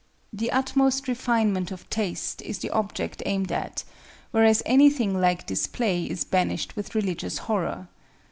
The utmost refinement of taste is the object aimed at; whereas anything like display is banished with religious horror.